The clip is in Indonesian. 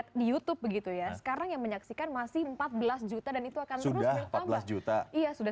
di youtube begitu ya sekarang yang menyaksikan masih empat belas juta dan itu akan terus bertambah juta iya sudah